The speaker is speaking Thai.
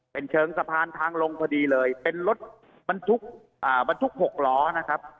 เป็นเชิงสะพานทางลงพอดีเลยเป็นรถมันทุกหกล้อนะครับ